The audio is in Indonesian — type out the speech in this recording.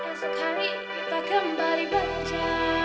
esok hari kita kembali baca